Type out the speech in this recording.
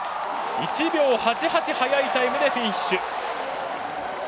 １秒８８早いタイムでフィニッシュ。